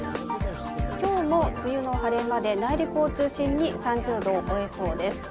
今日も梅雨の晴れ間で内陸を中心に３０度を超えそうです。